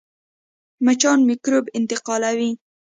مچان میکروب انتقالوي